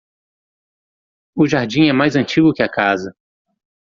O jardim é mais antigo que a casa.